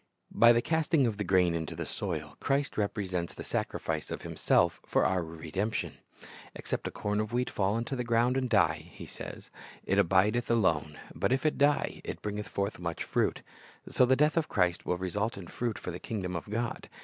By the casting of the grain into the soil, Christ repre sents the sacrifice of Himself for our redemption. "Except a corn of wheat fall into the ground and die," He says, "it abideth alone; but if it die, it bringeth forth much fruit. "^ So the death of Christ will result in fruit for the kingdom of God.